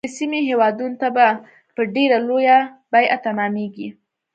د سیمې هیوادونو ته به په ډیره لویه بیعه تمامیږي.